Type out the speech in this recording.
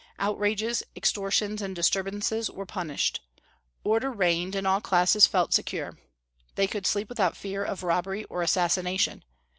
Outrages, extortions, and disturbances were punished. Order reigned, and all classes felt secure; they could sleep without fear of robbery or assassination.